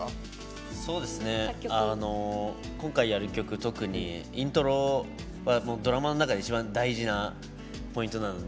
今回、やる曲特にイントロはドラマの中で一番大事なポイントなので。